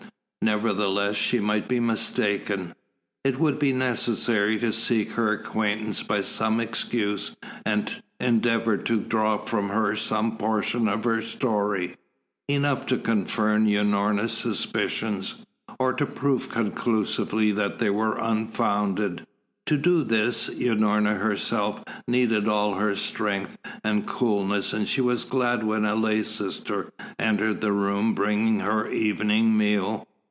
Nevertheless, she might be mistaken. It would be necessary to seek her acquaintance by some excuse and endeavour to draw from her some portion of her story, enough to confirm Unorna's suspicions, or to prove conclusively that they were unfounded. To do this, Unorna herself needed all her strength and coolness, and she was glad when a lay sister entered the room bringing her evening meal.